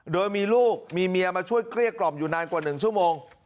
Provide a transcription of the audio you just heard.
โดยมีลูกมีเมียมาช่วยเกลี้ยกล่อมอยู่นานกว่า๑ชั่วโมง